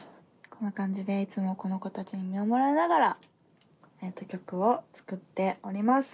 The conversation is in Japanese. こんな感じでいつもこの子たちに見守られながら曲を作っております。